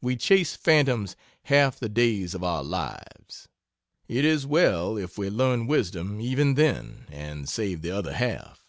We chase phantoms half the days of our lives. It is well if we learn wisdom even then, and save the other half.